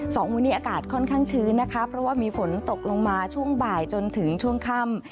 สองวันนี้อากาศค่อนข้างชื้นนะคะเพราะว่ามีฝนตกลงมาช่วงบ่ายจนถึงช่วงค่ำ